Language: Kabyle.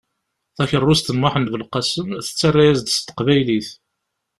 Takeṛṛust n Muḥend Belqasem tettarra-yas-d s teqbaylit.